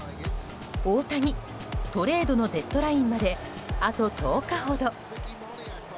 大谷、トレードのデッドラインまであと１０日ほど。